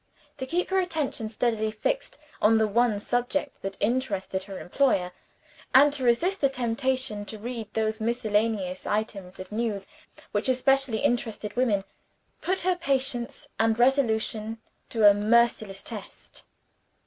To keep her attention steadily fixed on the one subject that interested her employer, and to resist the temptation to read those miscellaneous items of news which especially interest women, put her patience and resolution to a merciless test.